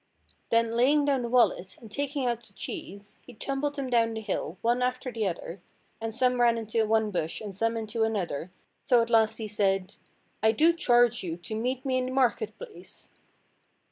Then laying down the wallet, and taking out the cheese, he tumbled them down the hill, one after the other, and some ran into one bush and some into another, so at last he said— "I do charge you to meet me in the market–place."